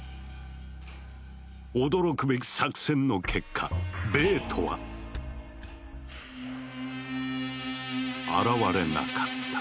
驚くべき作戦の結果ベートは現れなかった。